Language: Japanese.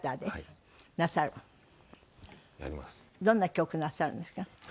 どんな曲なさるんですか？